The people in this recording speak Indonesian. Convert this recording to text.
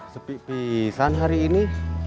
sepik pisan hari ini